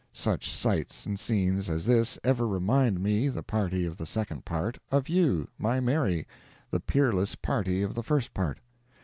Such sights and scenes as this ever remind me, the party of the second part, of you, my Mary, the peerless party of the first part.